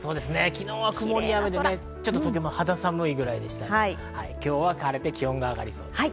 昨日は曇りや雨でとても肌寒いくらいでしたけど、今日は晴れて気温が上がりそうです。